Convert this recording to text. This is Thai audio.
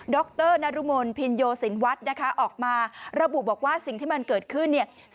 รนรุมลพินโยสินวัฒน์นะคะออกมาระบุบอกว่าสิ่งที่มันเกิดขึ้นเนี่ย